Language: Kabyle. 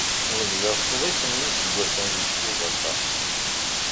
Nezdeɣ sḍis n yiseggasen deg Osaka.